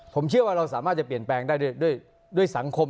ผมเชื่อว่าเราสามารถจะเปลี่ยนแปลงได้ด้วยสังคม